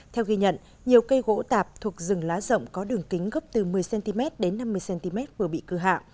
theo ghi nhận nhiều cây gỗ tạp thuộc rừng lá rộng có đường kính gấp từ một mươi cm đến năm mươi cm vừa bị cưa hạ